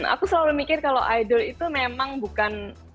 aku selalu mikir kalau idol itu memang bukan